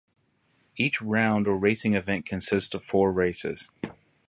Each round or racing event consists of four races.